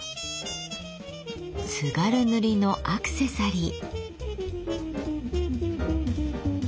津軽塗のアクセサリー。